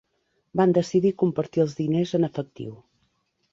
Van decidir compartir els diners en efectiu.